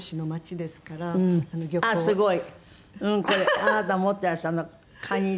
これあなた持ってらっしゃるのカニで？